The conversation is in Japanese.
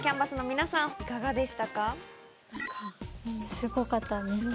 すごかったね。